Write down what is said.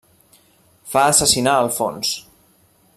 Fa assassinar Alfons.